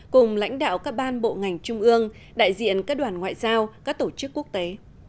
cùng lãnh đạo các ban bộ ngành trung ương đại diện các đoàn ngoại giao các tổ chức quốc tế